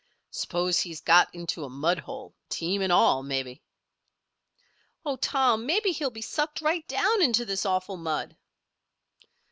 "S'pose he's got into a mud hold, team and all, maybe." "Oh, Tom! Maybe he'll be sucked right down into this awful mud."